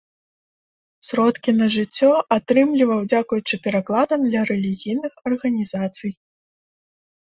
Сродкі на жыццё атрымліваў дзякуючы перакладам для рэлігійных арганізацый.